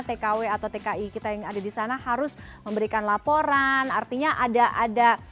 tkw atau tki kita yang ada di sana harus memberikan laporan artinya ada ada